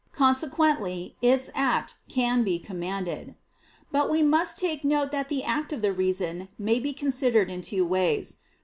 Consequently its act can be commanded. But we must take note that the act of the reason may be considered in two ways.